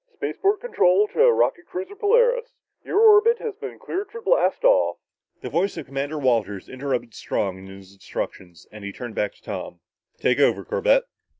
"Spaceport control to rocket cruiser Polaris, your orbit has been cleared for blast off...." The voice of Commander Walters interrupted Strong in his instructions and he turned back to Tom. "Take over, Corbett."